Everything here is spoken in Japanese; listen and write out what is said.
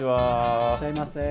いらっしゃいませ。